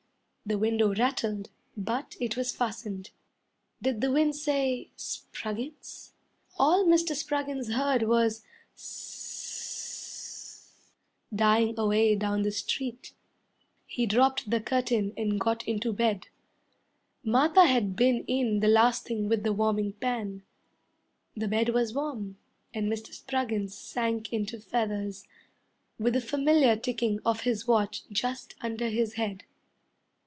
The window rattled, but it was fastened. Did the wind say, "Spruggins"? All Mr. Spruggins heard was "S s s s s " Dying away down the street. He dropped the curtain and got into bed. Martha had been in the last thing with the warming pan; The bed was warm, And Mr. Spruggins sank into feathers, With the familiar ticking of his watch just under his head.